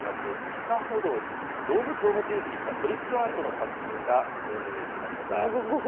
地下歩道に、動物をモチーフにしたトリックアートの作品がお目見えました。